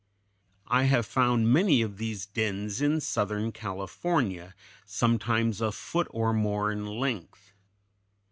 I have found many of these dens in southern California sometimes a foot or more in length.